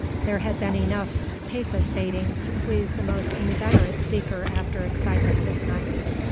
There had been enough Papist baiting to please the most inveterate seeker after excitement this night.